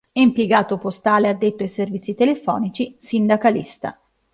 Impiegato postale addetto ai servizi telefonici, sindacalista.